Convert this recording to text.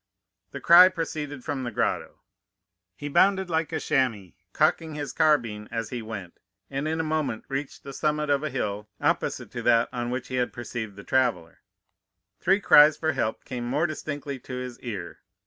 "The cry proceeded from the grotto. He bounded like a chamois, cocking his carbine as he went, and in a moment reached the summit of a hill opposite to that on which he had perceived the traveller. Three cries for help came more distinctly to his ear.